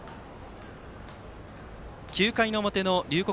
９回の表の龍谷